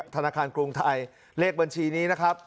ธนาคารกรุงไทยเลขบัญชีนี้นะครับ